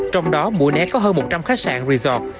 trong đó mũi né có hơn một trăm linh khách sạn resort